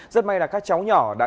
rất may là các cháu nhỏ đã điện thoại